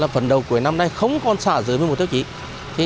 phần đầu cuối năm nay không còn xã dưới một triệu trí